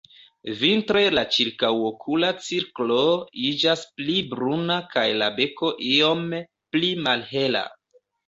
Vintre la ĉirkaŭokula cirklo iĝas pli bruna kaj la beko iome pli malhela.